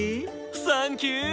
サンキュー！